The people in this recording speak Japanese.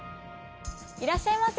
いらっしゃいませ！